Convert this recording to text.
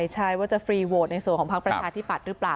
ใช่ว่าจะฟรีโหวตในส่วนของพักประชาธิปัตย์หรือเปล่า